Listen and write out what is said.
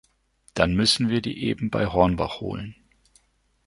Dann müssen wir die eben bei Hornbach holen.